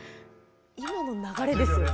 今の流れですよ。